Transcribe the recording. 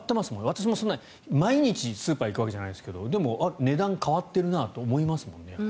私もそんなに毎日スーパーに行くわけじゃないですがでも値段変わってるなって思いますもんね。